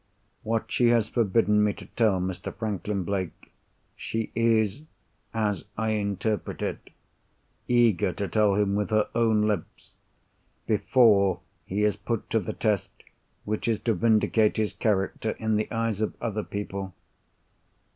What she has forbidden me to tell Mr. Franklin Blake, she is (as I interpret it) eager to tell him with her own lips, before he is put to the test which is to vindicate his character in the eyes of other people.